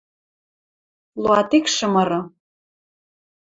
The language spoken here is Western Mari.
Луатикшӹ мыры